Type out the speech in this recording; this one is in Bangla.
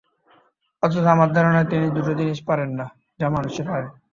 অথচ আমার ধারণা তিনি দুটো জিনিস পারেন না, যা মানুষ পারে।